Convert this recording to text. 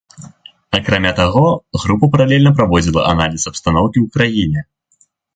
Акрамя таго, група паралельна праводзіла аналіз абстаноўкі ў краіне.